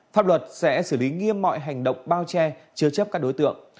pháp luật sẽ xử lý nghiêm mọi hành động bao che chứa chấp các đối tượng